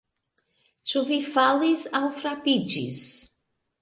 Ĉu vi falis aŭ frapiĝis?